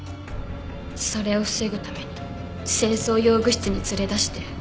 それを防ぐために清掃用具室に連れ出して。